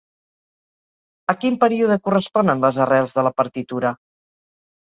A quin període corresponen les arrels de la partitura?